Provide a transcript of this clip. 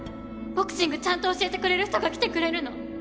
ボクシングちゃんと教えてくれる人が来てくれるの。